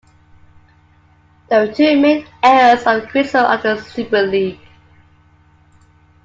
There were two main areas of criticism of the Superleague.